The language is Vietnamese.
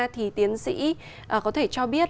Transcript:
thì tiến sĩ có thể cho biết